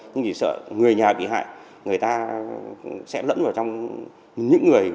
nhưng thì sợ người nhà bị hại người ta sẽ lẫn vào trong những người